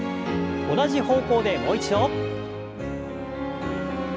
同じ方向でもう一度。